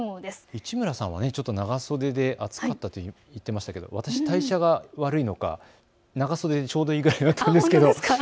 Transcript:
市村さんは長袖で暑かったと言ってましたが私代謝が悪いのか長袖でちょうどいいぐらいだったんです。